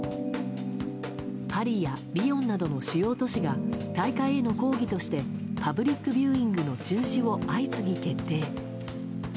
パリやリヨンなどの主要都市が大会への抗議としてパブリックビューイングの中止を相次ぎ決定。